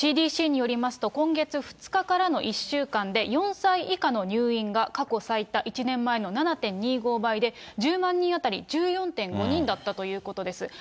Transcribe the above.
ＣＤＣによると、今月２日からの１週間で、４歳以下の入院が過去最多、１年前の７．２５倍で、１０万人当たり１４．５人だったということです。